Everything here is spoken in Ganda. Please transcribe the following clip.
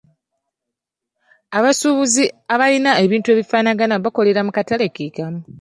Abasuubuzi abalina ebintu ebifaanagana bakolera mu katale ke kamu.